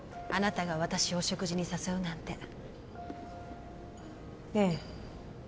あなたが私を食事に誘うなんてええ